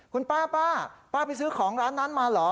คุณป้าป้าไปซื้อของร้านนั้นมาเหรอ